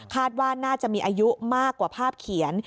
ว่าน่าจะมีอายุมากกว่าภาพเขียน